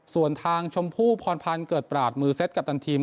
ส่วนทางชมพู่พรพันธ์เกิดปราศมือเซ็ตกัปตันทีม